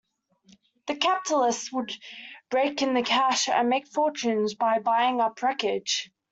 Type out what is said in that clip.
The capitalists would rake in the cash, and make fortunes by buying up wreckage.